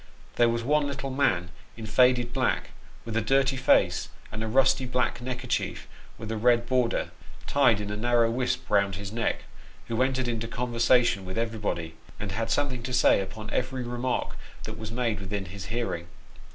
There was one little man in faded black, with a dirty face and a rusty black necker chief, with a red border, tied in a narrow wisp round his neck, who entered into conversation with everybody, and had something to say upon every remark that was made within his hearing.